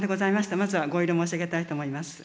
まずはご慰労申し上げたいと思います。